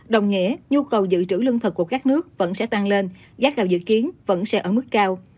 đồng nghĩa nhu cầu dự trữ lương thực của các nước vẫn sẽ tăng lên giá gạo dự kiến vẫn sẽ ở mức cao